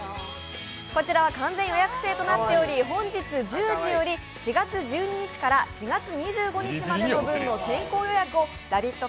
こちらは完全予約制となっており本日１０時より４月１２日から４月２５日までの分の先行予約をラヴィット！